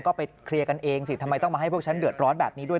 ก็ไปเคลียร์กันเองสิทำไมต้องมาให้พวกฉันเดือดร้อนแบบนี้ด้วย